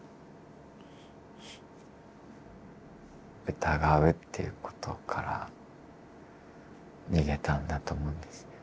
疑うっていうことから逃げたんだと思うんですね。